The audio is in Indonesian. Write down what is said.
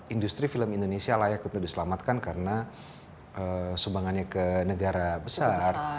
industri film indonesia layak untuk diselamatkan karena sumbangannya ke negara besar